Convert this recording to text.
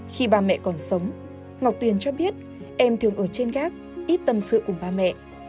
khi ba mẹ còn sống ngọc tuyền cho biết em thường ở trên gác ít tâm sự cùng ba mẹ